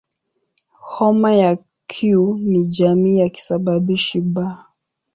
Homa ya Q ni jamii ya kisababishi "B".